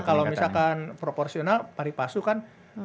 kalau misalkan proporsional pari palsu kan